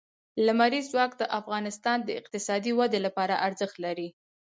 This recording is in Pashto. لمریز ځواک د افغانستان د اقتصادي ودې لپاره ارزښت لري.